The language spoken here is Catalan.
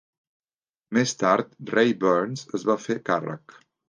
Més tard, Ray Burns es va fer càrrec.